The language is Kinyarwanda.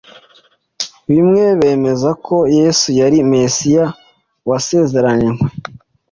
bimwemeza ko Yesu yari Mesiya wasezeranywe.